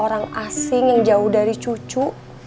orang asing yang jauh dari cucu